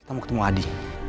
kita mau ketemu adi